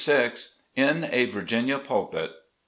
IN A VIRGINIA PULPIT.